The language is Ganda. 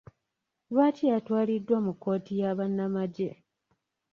Lwaki yatwaliddwa mu kkooti ya bannamagye?